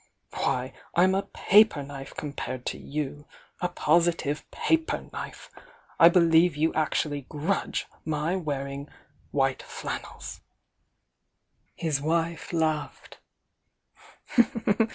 Why, I'm a paper knife compared to you! — a positive paper knife! I believe you actually grudge my wearing white flannels!" His wife laughed.